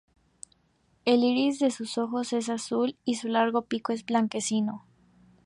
El iris de sus ojos es azul y su largo pico es blanquecino.